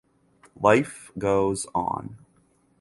Life goes on.